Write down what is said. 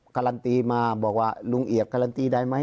การันตีมาบอกว่าลุงเอียบการันตีได้ไหม